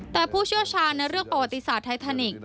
แต่ผู้เชื้อชานะคะเรื่องประวัติศาสตร์ไททานิค